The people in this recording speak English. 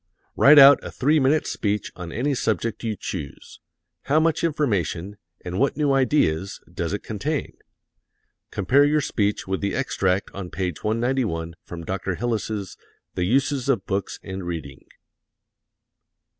Write out a three minute speech on any subject you choose. How much information, and what new ideas, does it contain? Compare your speech with the extract on page 191 from Dr. Hillis's "The Uses of Books and Reading." 7.